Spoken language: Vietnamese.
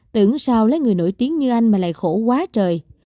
tưởng sao lấy người nổi tiếng như anh mà lại khổ quá trời